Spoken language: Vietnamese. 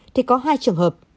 thì có hai trường hợp